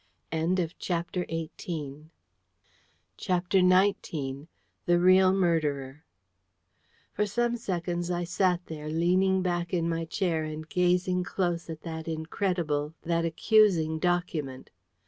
CHAPTER XIX. THE REAL MURDERER For some seconds I sat there, leaning back in my chair and gazing close at that incredible, that accusing document.